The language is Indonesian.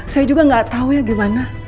saya juga nggak tahu ya gimana